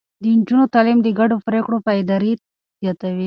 د نجونو تعليم د ګډو پرېکړو پايداري زياتوي.